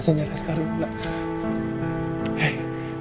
hei papa nyari asgara dulu ya sayang